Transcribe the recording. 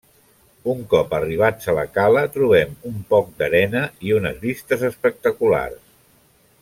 Un cop arribats a la cala, trobem un poc d'arena, i unes vistes espectaculars.